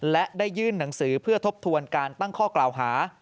และได้ยื่นหนังสือเพื่อทบทวนการตั้งข้อกล่าวหา